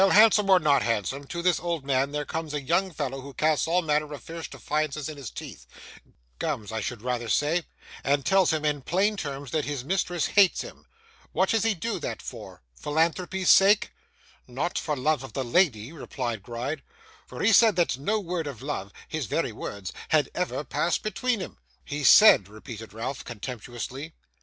Handsome or not handsome, to this old man there comes a young fellow who casts all manner of fierce defiances in his teeth gums I should rather say and tells him in plain terms that his mistress hates him. What does he do that for? Philanthropy's sake?' 'Not for love of the lady,' replied Gride, 'for he said that no word of love his very words had ever passed between 'em.' 'He said!' repeated Ralph, contemptuously.